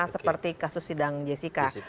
seperti kasus sidang jessica